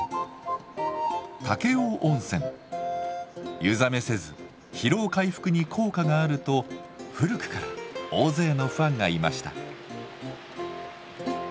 湯冷めせず疲労回復に効果があると古くから大勢のファンがいました。